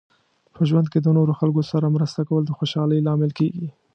په ژوند کې د نورو خلکو سره مرسته کول د خوشحالۍ لامل کیږي.